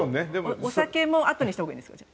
お酒もあとにしたほうがいいんですか？